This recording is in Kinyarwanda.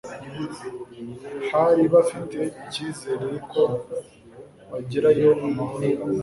bari bafite icyizere ko bagerayo amahoro,